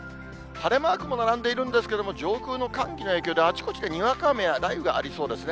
晴れマークも並んでいるんですけれども、上空の寒気の影響で、あちこちでにわか雨や雷雨がありそうですね。